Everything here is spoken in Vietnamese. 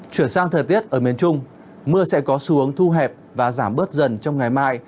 chuyển sang thời tiết ở miền trung mưa sẽ có xuống thu hẹp và giảm bớt dần trong ngày mai